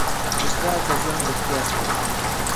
استاد د ژوند رښتیا ښيي.